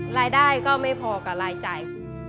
รายได้ก็ไม่พอกับรายจ่าย